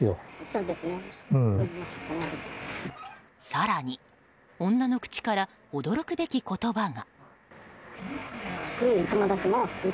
更に女の口から驚くべき言葉が。